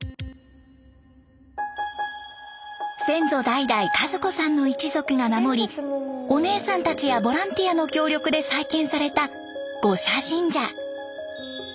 先祖代々和子さんの一族が守りお姉さんたちやボランティアの協力で再建された五社神社。